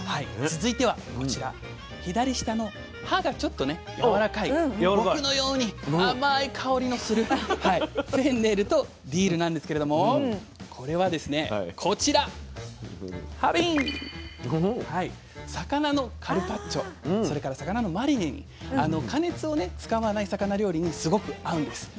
続いてはこちら左下の葉がちょっとやわらかい僕のように甘い香りのするフェンネルとディルなんですけれどもこれはですねこちら魚のカルパッチョそれから魚のマリネに加熱を使わない魚料理にすごく合うんです。